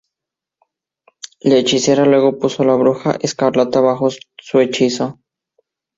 La Hechicera luego puso a la Bruja Escarlata bajo su hechizo.